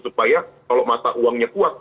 supaya kalau mata uangnya kuat